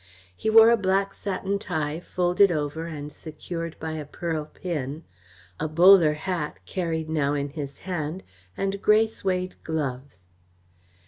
He wore a black satin tie folded over and secured by a pearl pin, a bowler hat carried now in his hand, and grey suède gloves.